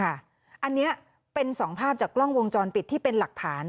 อันนี้เป็น๒ภาพจากกล้องวงจรปิดที่เป็นหลักฐาน